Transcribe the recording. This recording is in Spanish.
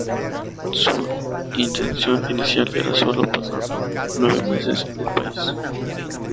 Su intención inicial era solo pasar nueve meses en el país.